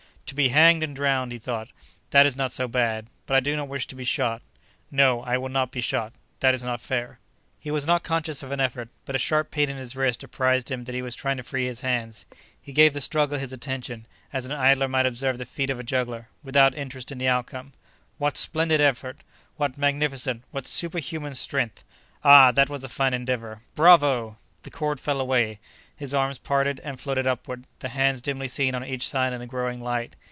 "To be hanged and drowned," he thought, "that is not so bad; but I do not wish to be shot. No; I will not be shot; that is not fair." He was not conscious of an effort, but a sharp pain in his wrist apprised him that he was trying to free his hands. He gave the struggle his attention, as an idler might observe the feat of a juggler, without interest in the outcome. What splendid effort!—what magnificent, what superhuman strength! Ah, that was a fine endeavor! Bravo! The cord fell away; his arms parted and floated upward, the hands dimly seen on each side in the growing light.